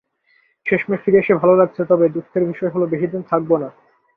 শেষমেশ ফিরে এসে ভালো লাগছে, তবে দুঃখের বিষয় হলো, বেশিদিন থাকবো না।